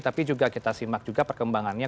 tapi juga kita simak juga perkembangannya